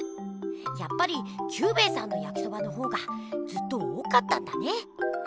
やっぱりキュウベイさんのやきそばの方がずっと多かったんだね！